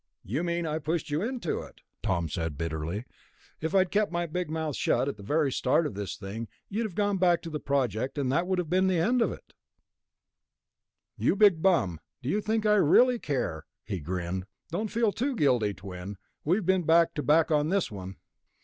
"You mean I pushed you into it," Tom said bitterly. "If I'd kept my big mouth shut at the very start of this thing, you'd have gone back to the Project and that would have been the end of it...." Greg looked at him. "You big bum, do you think I really care?" He grinned. "Don't feel too guilty, Twin. We've been back to back on this one."